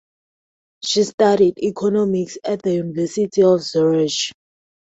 She studied economics at the University of Zurich.